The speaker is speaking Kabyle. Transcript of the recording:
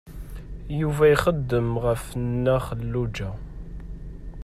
Yuba ixeddem ɣef Nna Xelluǧa.